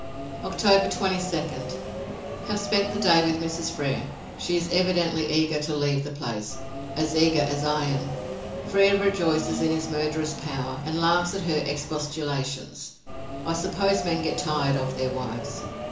October 22nd. Have spent the day with Mrs. Frere. She is evidently eager to leave the place as eager as I am. Frere rejoices in his murderous power, and laughs at her expostulations. I suppose men get tired of their wives.